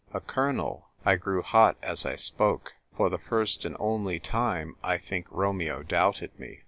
A colonel." I grew hot as I spoke. For the first and only time, I think Romeo doubted me.